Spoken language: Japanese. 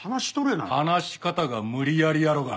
話し方が無理やりやろが。